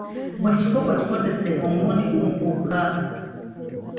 Buli kikopo kikozese omulundi gumu gwokka